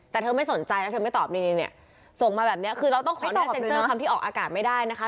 แต่เธอไม่สนใจแล้วเธอไม่ตอบนี่เนี่ยส่งมาแบบนี้คือเราต้องค่อยเซ็นเซอร์คำที่ออกอากาศไม่ได้นะคะ